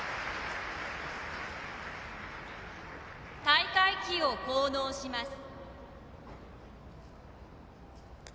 大会旗を降納します。